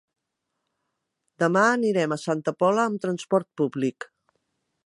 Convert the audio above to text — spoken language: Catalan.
Demà anirem a Santa Pola amb transport públic.